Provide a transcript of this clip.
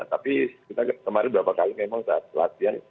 tapi kita kemarin berapa kali memang saat latihan